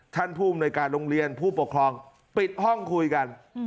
ท่านผู้อำนวยการโรงเรียนผู้ปกครองปิดห้องคุยกัน